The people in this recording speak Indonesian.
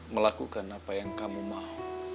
melakukan apa yang kamu mau